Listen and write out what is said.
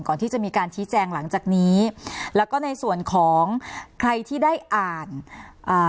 ก่อนที่จะมีการชี้แจงหลังจากนี้แล้วก็ในส่วนของใครที่ได้อ่านอ่า